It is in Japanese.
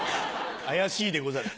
怪しいでござる。